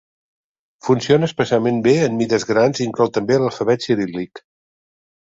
Funciona especialment bé en mides grans i inclou també l'alfabet ciríl·lic.